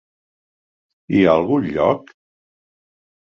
Hi ha algun lloc?